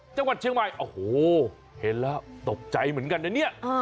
จังหวัดเชียงใหม่โอ้โหเห็นแล้วตกใจเหมือนกันนะเนี่ย